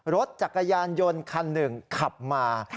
รถจักรยานยนต์คันหนึ่งขับมา